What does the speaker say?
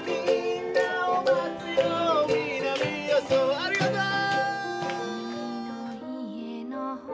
ありがとう！